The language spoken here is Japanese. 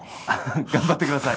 頑張ってください。